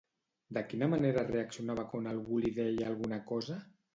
De quina manera reaccionava quan algú li deia alguna cosa?